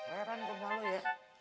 heran gua mau ya